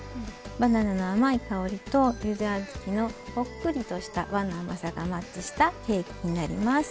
バナナの甘い香りとゆで小豆のほっくりとした和の甘さがマッチしたケーキになります。